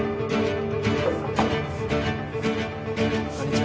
こんにちは